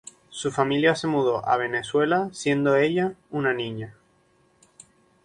Su familia se mudó a Venezuela siendo ella una niña.